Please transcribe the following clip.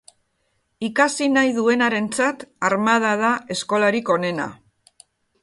Ikasi nahi duenarentzat, armada da eskolarik onena.